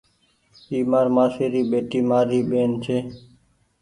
اي مآر مآسي ري ٻيٽي مآر ٻيهن ڇي۔